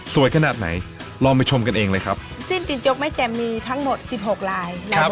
สวยขนาดไหนรอมาชมกันเองเลยครับสิ้นตีนจกแม่แจ่มมีทั้งหมด๑๖รายครับ